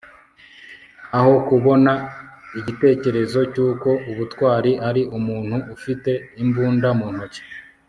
aho kubona igitekerezo cyuko ubutwari ari umuntu ufite imbunda mu ntoki